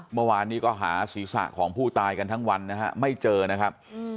เมื่อวานนี้ก็หาศีรษะของผู้ตายกันทั้งวันนะฮะไม่เจอนะครับ